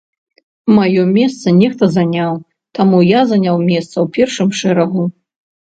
Маё месца нехта заняў, таму я заняў месца ў першым шэрагу.